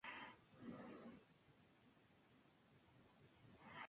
Termina radicándose en Copiapó donde contrae matrimonio y forma una familia.